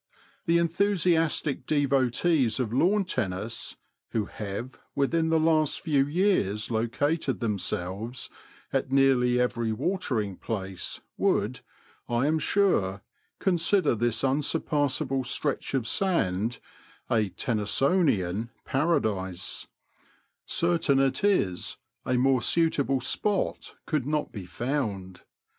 The enthusiastic devotees of lawn tennis who have within the last few years located themselves at nearly every watering place would, I am sure, consider this unsurpassable stretch of sand a '< tennisonian " paradise ; certain it is, a more suitable spot could not be found.